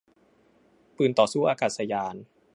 ปืนต่อสู้อากาศยาน